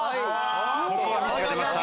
ここはミスが出ました。